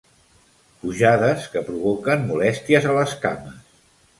Pujades que provoquen molèsties a les cames.